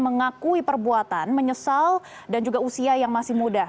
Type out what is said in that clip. mengakui perbuatan menyesal dan juga usia yang masih muda